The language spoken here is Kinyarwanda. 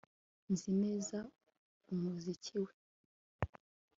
Nzi neza umuziki we